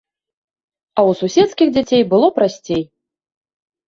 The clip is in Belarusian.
А ў суседскіх дзяцей было прасцей.